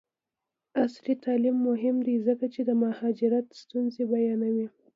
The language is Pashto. عصري تعلیم مهم دی ځکه چې د مهاجرت ستونزې بیانوي.